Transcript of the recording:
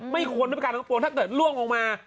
ไม่ควรเท่านั้นกาแยกโปรกถ้าเกิดล่วงออกมา